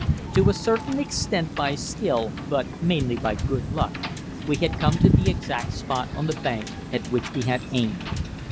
To a certain extent by skill, but mainly by good luck, we had come to the exact spot on the bank at which we had aimed.